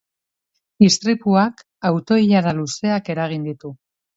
Istripuak auto-ilara luzeak eragin ditu.